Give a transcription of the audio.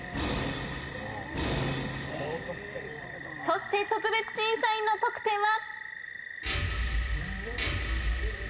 そして特別審査員の得点は？